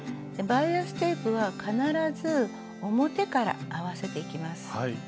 バイアステープは必ず表から合わせていきます。